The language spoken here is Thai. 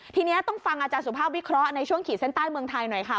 ทีนี้ต้องฟังอาจารย์สุภาพวิเคราะห์ในช่วงขีดเส้นใต้เมืองไทยหน่อยค่ะ